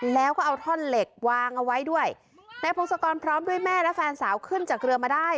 แล้วก็เอาท่อนเหล็กวางเอาไว้ด้วยนายพงศกรพร้อมด้วยแม่และแฟนสาวขึ้นจากเรือมาได้